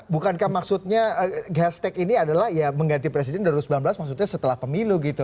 bukankah maksudnya hashtag ini adalah ya mengganti presiden dua ribu sembilan belas maksudnya setelah pemilu gitu